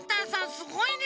すごいね！